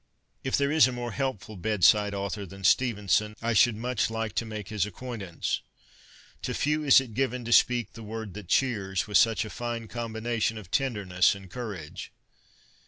If there is a more helpful bedside author than Ste venson, I should much like to make his acquaintance. To few is it given to speak ' the word that cheers ' with such a fine combination of tenderness and courage.